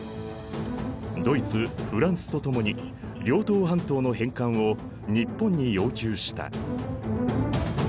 ドイツフランスとともに遼東半島の返還を日本に要求した。